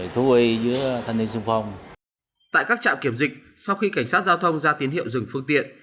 tại các trạm kiểm dịch sau khi cảnh sát giao thông ra tiến hiệu dừng phương tiện